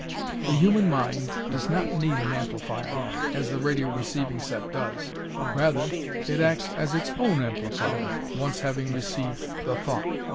The human mind does not need an amplifier, as the radio receiving set does. Rather, it acts as its own amplifier, once having received the thought.